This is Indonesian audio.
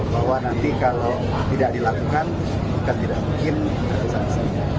bahwa nanti kalau tidak dilakukan bukan tidak mungkin ada sanksinya